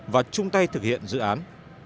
và chung tay thực hiện dự án